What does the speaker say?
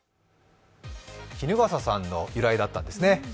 衣笠さんの由来だったんですね。